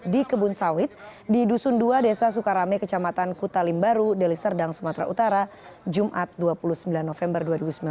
di kebun sawit di dusun dua desa sukarame kecamatan kutalimbaru deliserdang sumatera utara jumat dua puluh sembilan november dua ribu sembilan belas